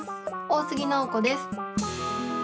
大杉奈保子です。